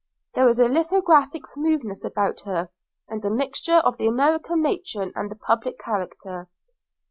There was a lithographic smoothness about her, and a mixture of the American matron and the public character.